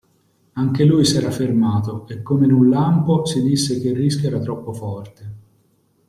Anche lui s'era fermato e, come in un lampo, si disse che il rischio era troppo forte.